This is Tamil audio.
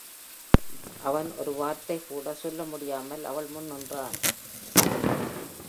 அவன் ஒரு வார்த்தை கூட சொல்ல முடியாமல் அவள் முன் நின்றான்.